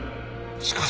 しかし。